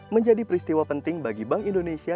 menjadi peristiwa penting bagi bank indonesia